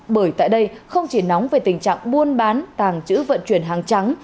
bởi tại đây không chỉ nóng về tình trạng buôn bán tàng trữ vận chuyển hàng trắng